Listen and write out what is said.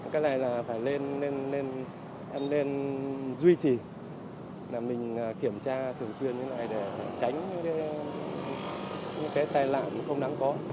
cái này là phải lên duy trì mình kiểm tra thường xuyên để tránh những cái tai lạc không đáng có